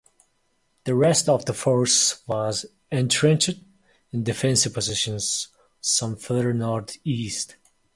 The rest of the force was entrenched in defensive positions some further north-east.